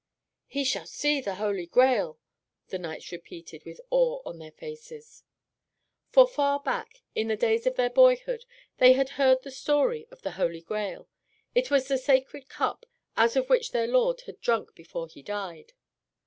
"He shall see the Holy Grail," the knights repeated, with awe on their faces. For far back, in the days of their boyhood, they had heard the story of the Holy Grail. It was the Sacred Cup out of which their Lord had drunk before He died.